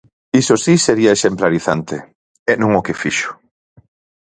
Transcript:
Iso si sería exemplarizante, e non o que fixo.